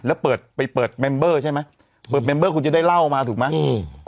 แล้วเปิดไปเปิดเมมเบอร์ใช่ไหมเปิดเมมเบอร์คุณจะได้เล่ามาถูกไหมอืม